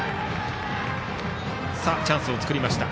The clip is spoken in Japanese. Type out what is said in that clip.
チャンスを作りました。